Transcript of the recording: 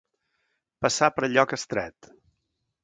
Passar per lloc estret.